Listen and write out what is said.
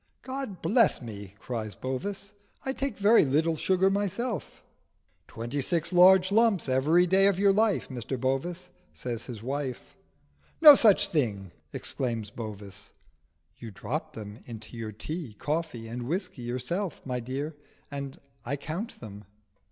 "God bless me!" cries Bovis. "I take very little sugar myself." "Twenty six large lumps every day of your life, Mr Bovis," says his wife. "No such thing!" exclaims Bovis. "You drop them into your tea, coffee, and whisky yourself, my dear, and I count them."